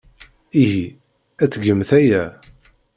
Ihi, ad tgemt aya?